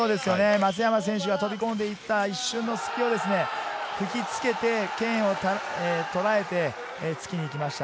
松山選手が飛び込んでいった一瞬の隙を引きつけて剣をとらえて、突きに行きました。